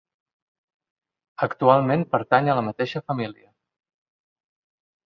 Actualment pertany a la mateixa família.